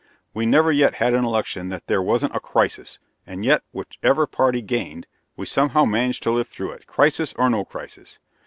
"We never yet had an election that there wasn't a 'crisis,' and yet, whichever party gained, we somehow managed to live through it, crisis or no crisis.